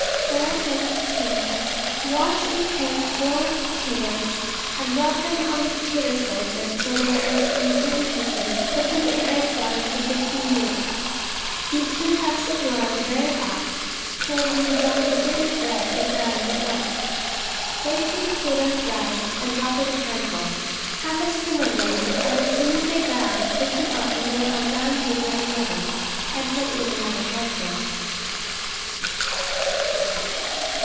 Saratoga Potatoes Wash and pare four potatoes, and rub them on the potato slicer till they are in thin pieces; put them in ice water for fifteen minutes. Heat two cups of lard very hot, till when you drop in a bit of bread it browns at once. Wipe the potatoes dry and drop in a handful. Have a skimmer ready, and as soon as they brown take them out and lay on brown paper in the oven, and put in another handful.